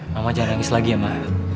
mama jangan nangis lagi ya ma